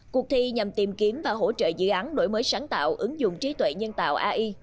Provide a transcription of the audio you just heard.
cuộc thi nhằm tìm kiếm và hỗ trợ dự án đổi mới sáng tạo ứng dụng trí tuệ nhân tạo ai